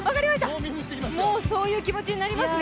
もうそういう気持ちになりますね。